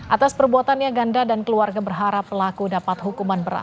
atas perbuatannya ganda dan keluarga berharap pelaku dapat hukuman berat